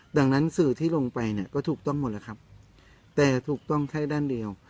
ดังนั้นสื่อที่ลงไปเนี่ยก็ถูกต้องหมดแล้วครับแต่ถูกต้องแค่ด้านเดียว